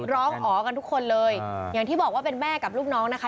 ร้องอ๋อกันทุกคนเลยอย่างที่บอกว่าเป็นแม่กับลูกน้องนะคะ